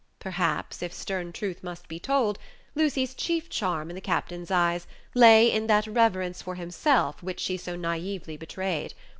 Perhaps, if stern truth must be told, Lucy's chief charm in the captain's eyes lay in that reverence for himself which she so naively betrayed.